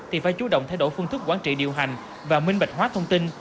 hướng động thay đổi phương thức quản trị điều hành và minh bạch hóa thông tin